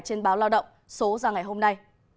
trên báo lao động số ra ngày hôm nay